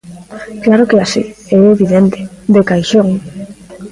Claro que é así, é evidente, de caixón.